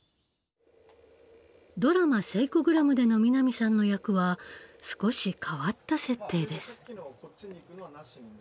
ドラマ「セイコグラム」での南さんの役は少し変わった設定です。